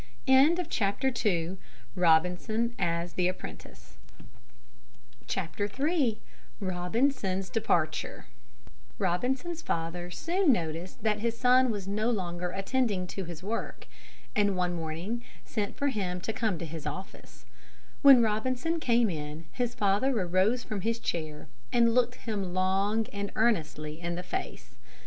III ROBINSON'S DEPARTURE Robinson's father soon noticed that his son was no longer attending to his work, and one morning sent for him to come to his office. When Robinson came in his father arose from his chair and looked him long and earnestly in the face.